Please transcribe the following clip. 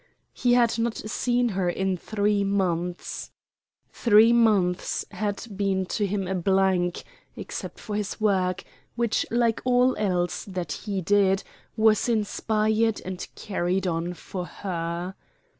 He had not seen her in three months. Three months that had been to him a blank, except for his work which like all else that he did, was inspired and carried on for her.